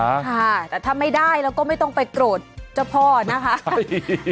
ค่ะแต่ถ้าไม่ได้แล้วก็ไม่ต้องไปโกรธเจ้าพ่อนะคะ